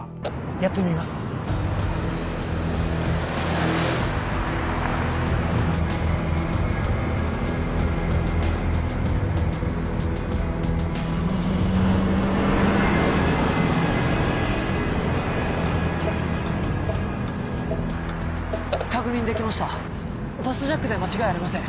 やってみます確認できましたバスジャックで間違いありません